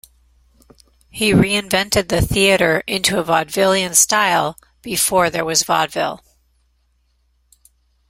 He reinvented the theater into a vaudevillian style before there was vaudeville.